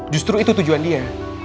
justru itu tujuan dia